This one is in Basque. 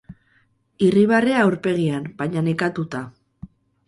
Irribarrea aurpegian, baina nekatuta.